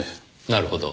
なるほど。